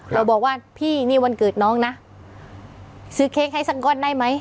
เราบอกว่าพี่นี่วันเกิดน้องนะซื้อเค้กให้สักก้อนได้ไหม